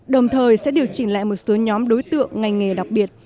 đồng thời sẽ điều chỉnh lại một số nhóm đối tượng ngành nghề đặc biệt